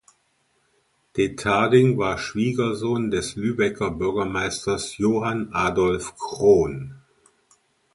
Detharding war Schwiegersohn des Lübecker Bürgermeisters Johann Adolph Krohn.